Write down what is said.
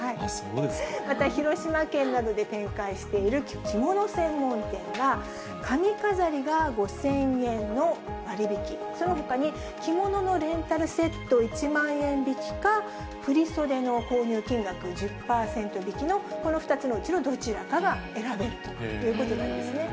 また、広島県などで展開している着物専門店は、髪飾りが５０００円の割引、そのほかに着物のレンタルセット１万円引きか、振り袖の購入金額１０％引きのこの２つのうちのどちらかが選べるということなんですね。